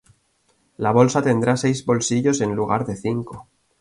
La Bolsa tendrá seis bolsillos en lugar de cinco.